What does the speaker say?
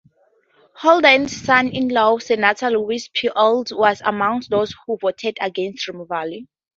Holden's son-in-law, Senator Lewis P. Olds, was among those who voted against removal.